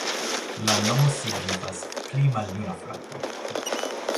La nomo signifas: pli maljuna frato.